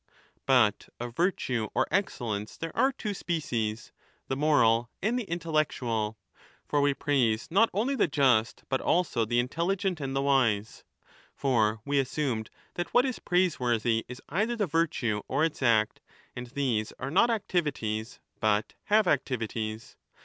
I But of virtue or excellence there are two species, the 5 moral and the intellectual. For we praise not only the just but also the intelligent and the wise. For we assumed ^ that what is praiseworthy is either the virtue or its act, and these are not activities, but have activities.